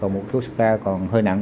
một số ca còn hơi nặng